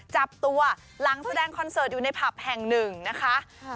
จับตัวหลังแสดงคอนเสิร์ตอยู่ในผับแห่งหนึ่งนะคะ